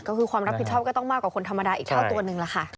ก็คือความรับผิดชอบก็ต้องมากกว่าคนธรรมดาอีกเท่าตัวนึงล่ะค่ะ